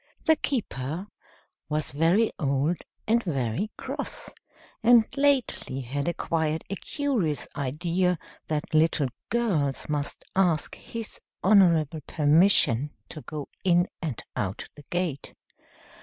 The keeper was very old, and very cross, and lately had acquired a curious idea that little girls must ask his honorable permission to go in and out the gate.